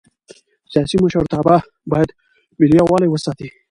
سیاسي مشرتابه باید ملي یووالی وساتي